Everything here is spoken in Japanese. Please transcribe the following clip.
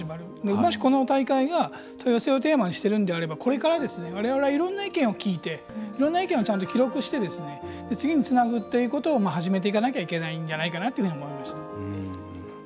もし、この大会が多様性をテーマにしているんであればこれから、われわれはいろんな意見を聞いていろんな意見をちゃんと記録して次につなぐということを始めていかなきゃいけないんじゃないかなって思いました。